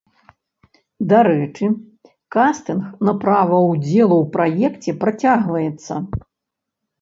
Дарэчы кастынг на права ўдзелу ў праекце працягваецца.